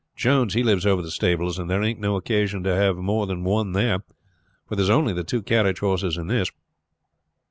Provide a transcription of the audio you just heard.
Jones he lives over the stables; and there ain't no occasion to have more than one there, for there's only the two carriage horses and this."